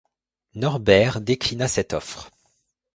Norbert déclina cette offre.